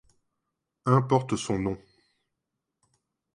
Un porte son nom.